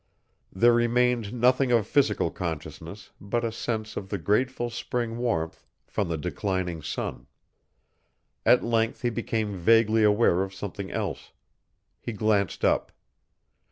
There remained nothing of physical consciousness but a sense of the grateful spring warmth from the declining sun. At length he became vaguely aware of something else. He glanced up.